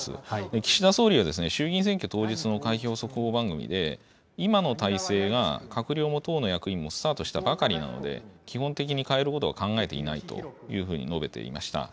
岸田総理は衆議院選挙当日の開票速報番組で、今の体制が閣僚も党の役員もスタートしたばかりなので、基本的に変えることを考えていないというふうに述べていました。